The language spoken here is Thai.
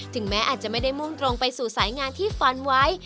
ถึงแม้อาจจะไปสู่สายงานที่ฟันไว